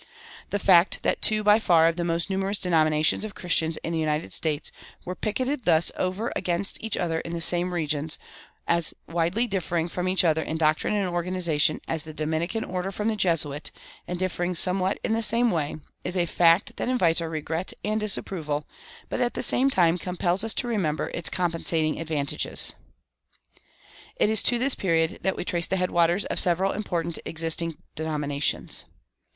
The fact that two by far the most numerous denominations of Christians in the United States were picketed thus over against each other in the same regions, as widely differing from each other in doctrine and organization as the Dominican order from the Jesuit, and differing somewhat in the same way, is a fact that invites our regret and disapproval, but at the same time compels us to remember its compensating advantages. It is to this period that we trace the head waters of several important existing denominations.